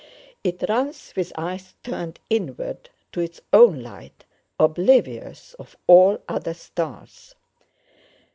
It runs with eyes turned inward to its own light, oblivious of all other stars.